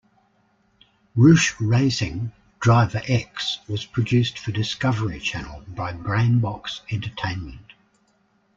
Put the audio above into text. "Roush Racing: Driver X" was produced for Discovery Channel by Brainbox Entertainment.